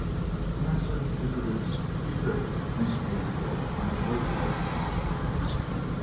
For answer he produced two strips of pink pasteboard from his waistcoat pocket.